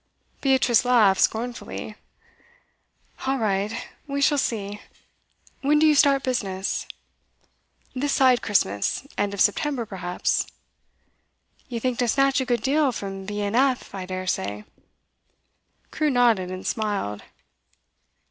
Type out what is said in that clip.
Beatrice laughed scornfully. 'All right. We shall see. When do you start business?' 'This side Christmas. End of September, perhaps.' 'You think to snatch a good deal from B. & F., I daresay?' Crewe nodded and smiled.